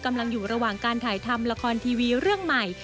อยู่ระหว่างการถ่ายทำละครทีวีเรื่องใหม่